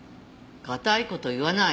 堅い事言わない。